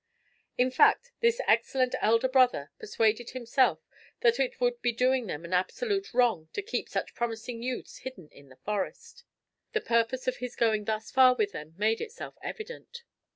In fact, this excellent elder brother persuaded himself that it would be doing them an absolute wrong to keep such promising youths hidden in the Forest. The purpose of his going thus far with them made itself evident.